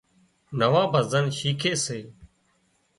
نوان ڀزن شيکي سي